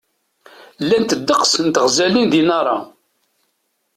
Llant ddeqs n teɣzalin di Nara.